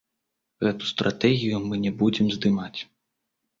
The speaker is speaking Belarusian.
Гэту стратэгію мы не будзем здымаць.